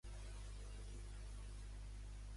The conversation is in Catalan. El barri marítim de Torredembarra és Baix a Mar.